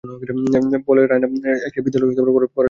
ফলে রায়না নেপালের একটি বিদ্যালয়ে পড়াশোনা করেন।